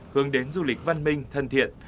hướng đến du lịch văn minh thân thiện